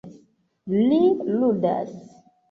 Li ludas.